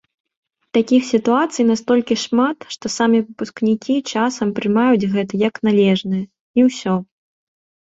Такіх сітуацый настолькі шмат, што самі выпускнікі часам прымаюць гэта як належнае, і ўсё.